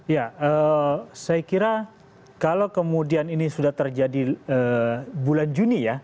ya saya kira kalau kemudian ini sudah terjadi bulan juni ya